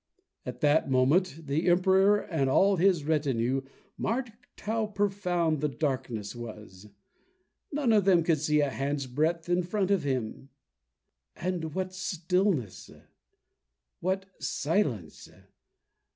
At that moment the Emperor and all his retinue marked how profound the darkness was. None of them could see a hand's breadth in front of him. And what stillness! What silence!